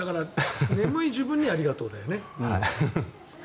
眠い自分にありがとうだよね。